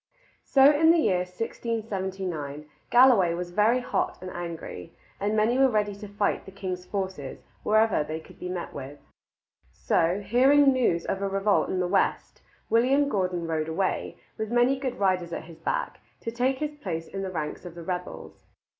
So in the year 1679 Galloway was very hot and angry, and many were ready to fight the king's forces wherever they could be met with. So, hearing news of a revolt in the west, William Gordon rode away, with many good riders at his back, to take his place in the ranks of the rebels.